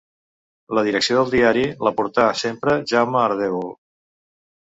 La direcció del diari la portà sempre Jaume Ardèvol.